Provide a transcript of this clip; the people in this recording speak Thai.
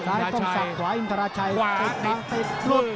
ติดบังติดหลุด